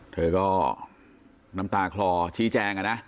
เธอก็น้ำตาคลอชี้แจงนะ